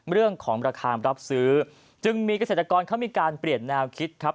เรื่องของราคารับซื้อจึงมีเกษตรกรเขามีการเปลี่ยนแนวคิดครับ